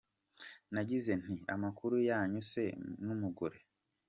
Nagize nti - Amakuru yanyu se n’umugore?.